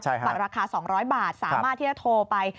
บัตรราคา๒๐๐บาทสามารถที่จะโทรไป